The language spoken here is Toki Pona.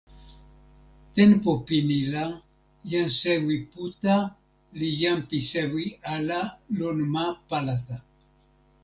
tenpo pini la jan sewi Puta li jan pi sewi ala lon ma Palata.